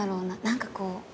何かこう。